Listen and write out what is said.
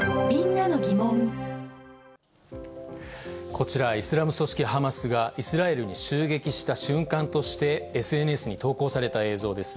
こちら、イスラム組織ハマスが、イスラエルに襲撃した瞬間として、ＳＮＳに投稿された映像です。